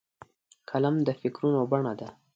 قلم د فکرونو بڼه ده